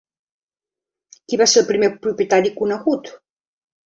Qui va ser el primer propietari conegut?